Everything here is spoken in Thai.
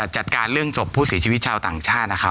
จัดการเรื่องศพผู้เสียชีวิตชาวต่างชาตินะครับ